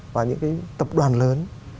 và những tập đoàn lớn